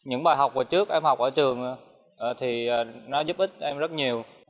những bài học trước em học ở trường giúp ích em rất nhiều